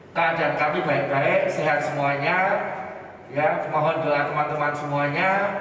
keadaan kami baik baik sehat semuanya mohon doa teman teman semuanya